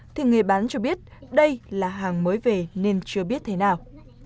thì người bán cho biết đây là hàng mới về nên chưa biết thế nào